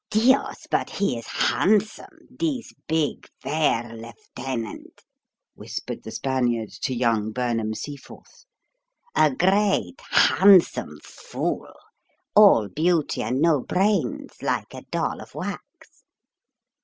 "Dios! but he is handsome, this big, fair lieutenant!" whispered the Spaniard to young Burnham Seaforth. "A great, handsome fool all beauty and no brains, like a doll of wax!"